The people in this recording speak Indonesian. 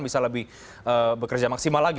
bisa lebih bekerja maksimal lagi